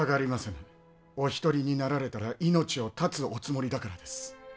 お一人になられたら命を絶つおつもりだからです。